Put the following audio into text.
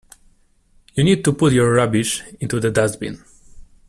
You need to put your rubbish into the dustbin